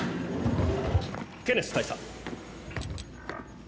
ケネス大佐。